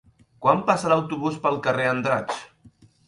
Quan passa l'autobús pel carrer Andratx?